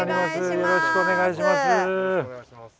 よろしくお願いします。